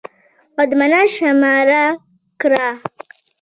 قدمانه شماره کړه.